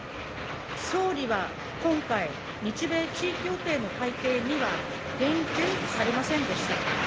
総理は今回、日米地位協定の改定には言及されませんでした。